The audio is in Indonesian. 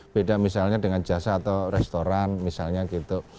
beda misalnya dengan jasa atau restoran misalnya gitu